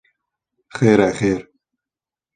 Xêr e, xêr.